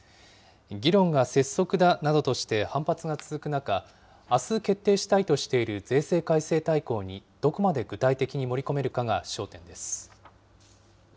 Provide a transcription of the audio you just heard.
議論が拙速だなどとして反発が続く中、あす決定したいとしている税制改正大綱に、どこまで具体的に盛り込めるかが焦点です。